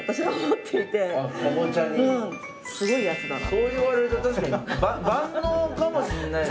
そう言われると確かに万能かもしれないですね。